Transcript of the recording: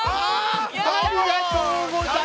ありがとうございます！